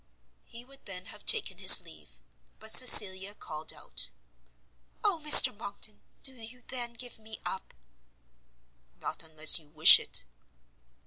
He would then have taken his leave; but Cecilia called out, "Oh, Mr Monckton! do you then give me up?" "Not unless you wish it."